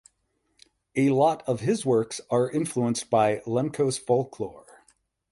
A lot of his works are influenced by Lemkos folklore.